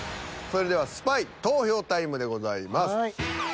それではスパイ投票タイムでございます。